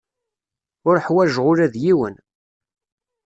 Ur ḥwajeɣ ula d yiwen.